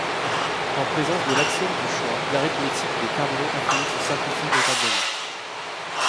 En présence de l'axiome du choix, l'arithmétique des cardinaux infinis se simplifie notablement.